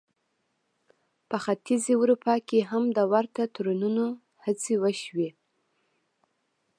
په ختیځې اروپا کې هم د ورته تړونونو هڅې وشوې.